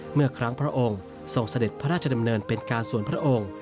เมื่อครั้งพระองค์ทรงเสด็จพระราชดำเนินเป็นการส่วนพระองค์